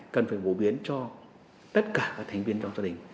cần phải phổ biến cho tất cả các thành viên trong gia đình